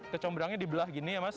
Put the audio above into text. kecombrangnya di belah gini ya mas